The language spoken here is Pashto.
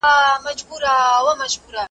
زه چی پلار وم قصابی لره روزلی .